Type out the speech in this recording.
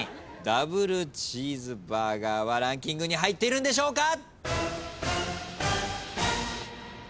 ダブルチーズバーガーはランキングに入っているんでしょうか？